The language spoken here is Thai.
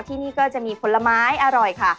ที่นี่ก็จะมีผลไม้อร่อยค่ะ